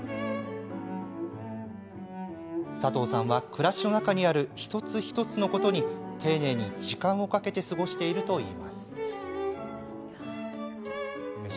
佐藤さんは、暮らしの中にある一つ一つのことに丁寧に時間をかけて過ごしているといいます。